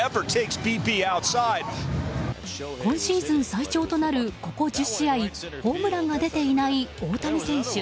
今シーズン最長となるここ１０試合ホームランが出ていない大谷選手。